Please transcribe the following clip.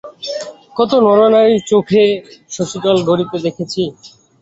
কত নরনারীর চোখে শশী জল পড়িতে দেখিয়াছে।